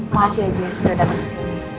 makasih ya jess udah datang ke sini